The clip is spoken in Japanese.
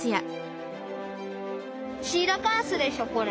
シーラカンスでしょこれ！